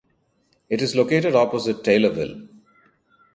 It is located opposite Taylorville.